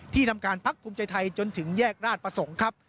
ทำการพักภูมิใจไทยจนถึงแยกราชประสงค์ครับ